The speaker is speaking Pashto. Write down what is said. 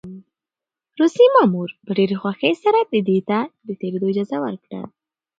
روسي مامور په ډېرې خوښۍ سره ده ته د تېرېدو اجازه ورکړه.